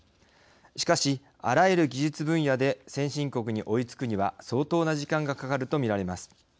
しかし、あらゆる技術分野で先進国に追いつくには相当な時間がかかると見られます。